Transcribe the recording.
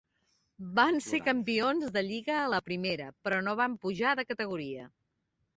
Van ser campions de lliga a la primera, però no van pujar de categoria.